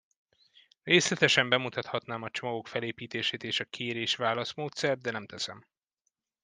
Részletesen bemutathatnám a csomagok felépítését és a kérés-válasz módszert, de nem teszem.